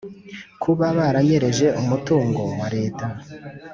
kuba baranyereje umutungo wa leta